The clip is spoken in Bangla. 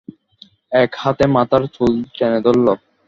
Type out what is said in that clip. এক হাতে মাথার চুল টেনে ধরল।